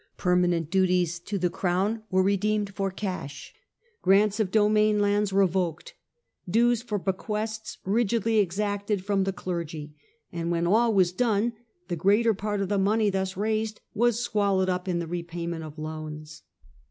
Permanent dues to the Crown were redeemed for cash ; grants of domain lands revoked ; dues for bequests rigidly exacted from the clergy. And when all was done, the greater part of the money thus raised was swallowed up in the repay ment of loans.